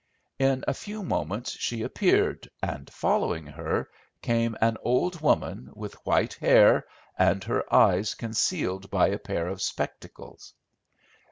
In a few moments she appeared, and, following her, came an old woman, with white hair, and her eyes concealed by a pair of spectacles.